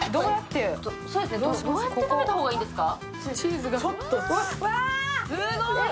どうやって食べたらいいですか？